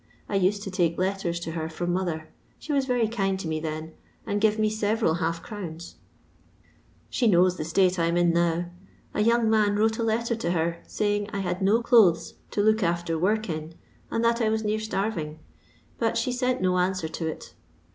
I used to take letters to her from mother : she was Tery kind to me then, and give me several half crowns. She LONDON LABOUR AND THE LONDON POOR. 15 knovft Uio itate I am in now. A young man wrote a letter to her, laying I had no clothes to look after work in, and that I was near starring, but she lent no answer to it.